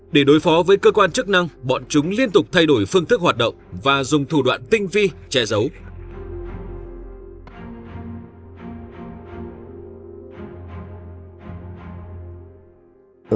để đối phó với cơ quan chức năng bọn chúng liên tục thay đổi phương thức hoạt động và dùng thủ đoạn tinh vi che giấu